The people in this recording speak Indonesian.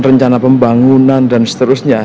rencana pembangunan dan seterusnya